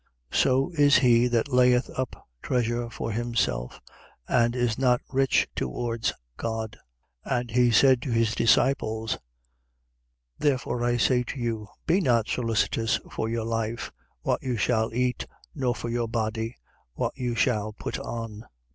12:21. So is he that layeth up treasure for himself and is not rich towards God. 12:22. And he said to his disciples: Therefore I say to you: Be not solicitous for your life, what you shall eat, nor for your body, what you shall put on.